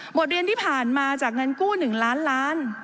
เรียนที่ผ่านมาจากเงินกู้๑ล้านล้าน